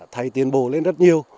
thấy tiến bộ lên rất nhiều